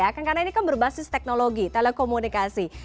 karena ini kan berbasis teknologi telekomunikasi